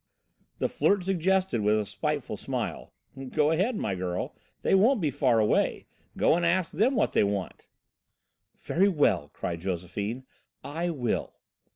The Flirt suggested, with a spiteful smile. "Go ahead, my girl, they won't be far away; go and ask them what they want." "Very well," cried Josephine, "I will."